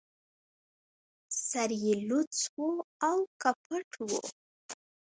سر يې لڅ و او که پټ و